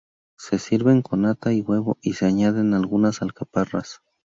Se sirven con nata y huevo y se añaden algunas alcaparras.